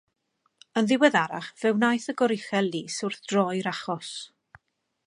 Yn ddiweddarach fe wnaeth y Goruchel Lys wrthdroi'r achos.